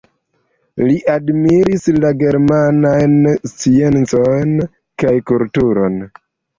Li admiris la germanajn sciencon kaj kulturon.